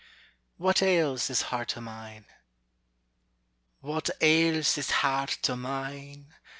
WHAT AILS THIS HEART O' MINE? What ails this heart o' mine?